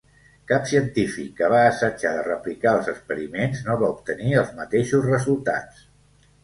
Cap científic que va assajar de replicar els experiments, no va obtenir els mateixos resultats.